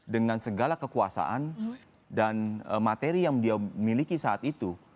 dengan segala kekuasaan dan materi yang dia miliki saat itu